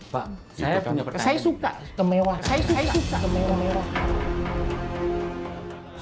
pak saya suka kemewahan